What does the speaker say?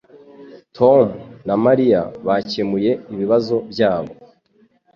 Tom na Mariya bakemuye ibibazo byabo.